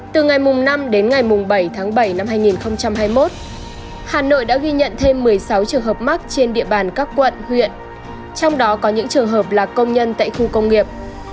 từ ngày năm đến ngày bảy tháng bảy năm hai nghìn hai mươi một hà nội đã ghi nhận thêm một mươi sáu trường hợp mắc trên địa bàn các quận huyện trong đó có những trường hợp là công nhân tại khu công nghiệp